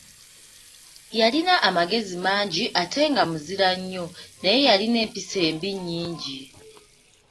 Yalina amagezi mangi, ate nga muzira nnyo, naye yalina empisa embi nnyingi.